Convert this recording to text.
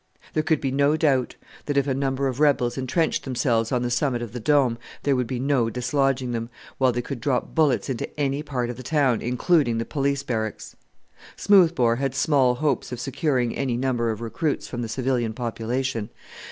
There could be no doubt that, if a number of rebels entrenched themselves on the summit of the Dome, there would be no dislodging them, while they could drop bullets into any part of the town, including the Police Barracks! Smoothbore had small hopes of securing any number of recruits from the civilian population.